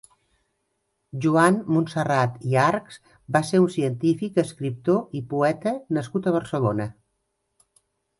Joan Montserrat i Archs va ser un cientific, escriptor i poeta nascut a Barcelona.